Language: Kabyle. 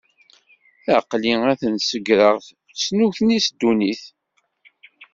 Aql-i ad ten-snegreɣ, s nutni, s ddunit.